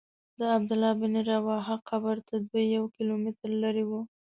د عبدالله بن رواحه قبر تر دوی یو کیلومتر لرې و.